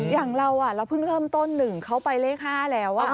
อย่างเราเราเพิ่งเริ่มต้น๑เขาไปเลข๕แล้ว